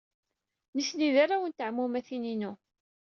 Nitni d arraw n teɛmumatin-inu.